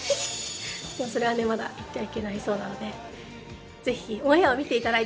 でもそれはねまだ言ってはいけないそうなのでぜひオンエアを見て頂いて。